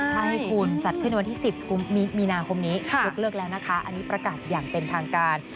ใช่คุณจัดขึ้นในวันที่๑๐มีนาคมนี้ยกเลิกแล้วนะคะอันนี้ประกาศอย่างเป็นทางการ